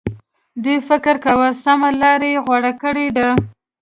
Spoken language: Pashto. دوی فکر کاوه سمه لار یې غوره کړې ده.